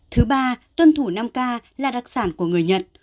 thứ ba tuân thủ năm k là đặc sản của người nhật